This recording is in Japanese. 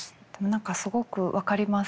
何かすごく分かります。